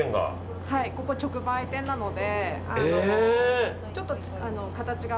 ここ直売店なので。